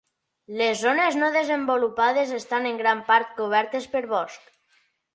Les zones no desenvolupades estan en gran part cobertes per bosc.